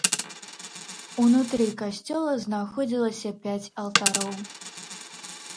Унутры касцёла знаходзілася пяць алтароў.